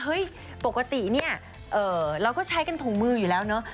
ปกติเนี่ยเราก็ใช้กันถุงมืออยู่แล้วเนอะ